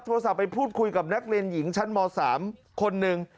โทรศัพท์ไปพูดคุยกับนักเรียนหญิงชั้นม๓คนหนึ่ง